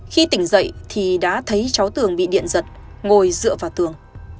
khi tỉnh dậy thì đã thấy cháu tường bị điện giật ngồi dựa vào tường